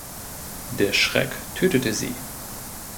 Der Schreck tötete sie.